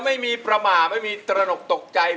ไม่มีประมาทไม่มีตระหนกตกใจ